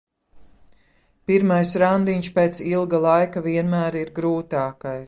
Pirmais randiņš pēc ilga laika vienmēr ir grūtākais.